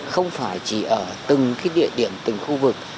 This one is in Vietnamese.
không phải chỉ ở từng cái địa điểm từng khu vực